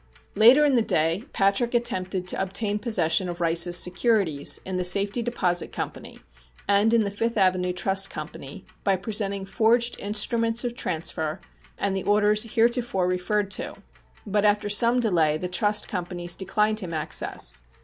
Later in the day Patrick attempted to obtain possession of Rice's securities in the Safety Deposit Company and in the Fifth Avenue Trust Company, by presenting forged instruments of transfer and the orders heretofore referred to; but after some delay the trust companies declined him access.